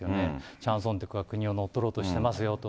チャン・ソンテクは国を乗っ取ろうとしてますよと。